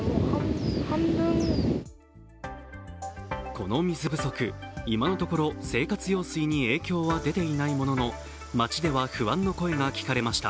この水不足、今のところ生活用水に影響は出ていないものの街では不安の声が聞かれました。